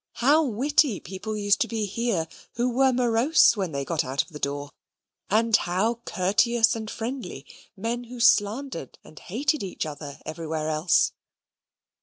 How witty people used to be here who were morose when they got out of the door; and how courteous and friendly men who slandered and hated each other everywhere else!